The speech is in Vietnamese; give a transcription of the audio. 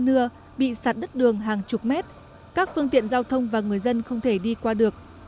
nửa bị sạt đất đường hàng chục mét các phương tiện giao thông và người dân không thể đi qua được